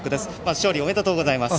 勝利おめでとうございます。